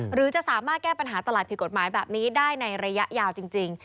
หรือจะสามารถแก้ปัญหาตลาดผิดกฎหมายแบบนี้ได้ในระยะยาวจริง